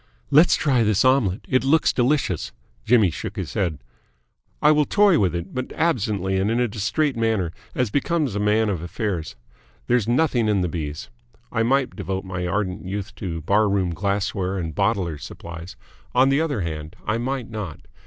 "Let's try this omelette. It looks delicious." Jimmy shook his head. "I will toy with it but absently and in a distrait manner, as becomes a man of affairs. There's nothing in the B's. I might devote my ardent youth to Bar Room Glassware and Bottlers' Supplies. On the other hand, I might not.